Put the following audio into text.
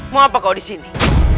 mau apa kau disini